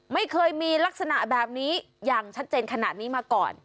ไม่เคยมีลักษณะแบบนี้อย่างชัดเจนขนาดนี้มาก่อน